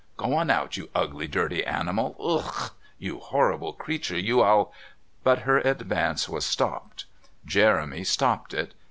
Go on out, you ugly, dirty animal ough, you 'orrible creature you. I'll " But her advance was stopped. Jeremy stopped it.